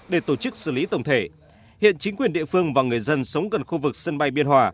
để tổ chức xử lý tổng thể hiện chính quyền địa phương và người dân sống gần khu vực sân bay biên hòa